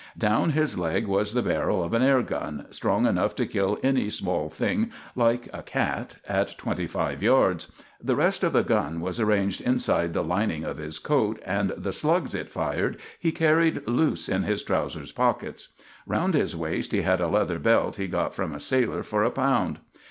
Down his leg was the barrel of an air gun, strong enough to kill any small thing like a cat at twenty five yards; the rest of the gun was arranged inside the lining of his coat, and the slugs it fired he carried loose in his trousers pockets. Round his waist he had a leather belt he got from a sailor for a pound.